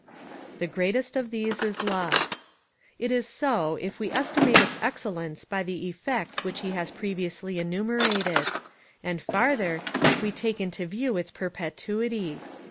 The greatest of these is love. It is so, if we estimate its excellence by the effects which he has previously enumer ated ; and farther, if we take into view its perpetuity.